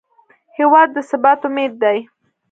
هېواد د ثبات امید دی.